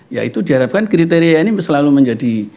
ya itu diharapkan kriteria ini selalu menjadi